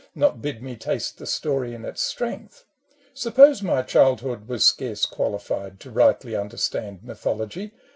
Not bid me taste the story in its strength ? Suppose my childhood was scarce qualified To rightly understand mythology.